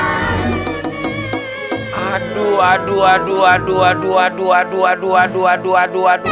aduh aduh aduh aduh aduh aduh aduh aduh aduh aduh aduh aduh aduh aduh aduh aduh